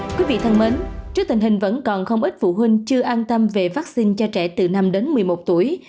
quý vị thân mến trước tình hình vẫn còn không ít phụ huynh chưa an tâm về vaccine cho trẻ từ năm đến một mươi một tuổi